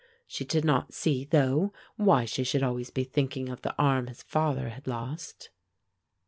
She did not see, though, why she should always be thinking of the arm his father had lost.